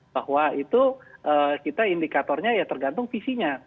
bahwa itu kita indikatornya ya tergantung visinya